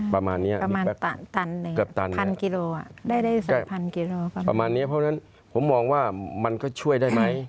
ประมาณนี้ประมาณ๑๐๐๐กิโลเพราะฉะนั้นผมมองว่ามันก็ช่วยได้ไหม